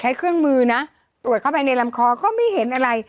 เครื่องมือนะตรวจเข้าไปในลำคอก็ไม่เห็นอะไร